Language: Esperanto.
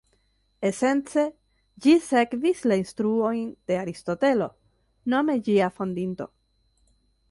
Esence, ĝi sekvis la instruojn de Aristotelo, nome ĝia fondinto.